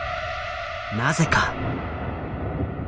なぜか。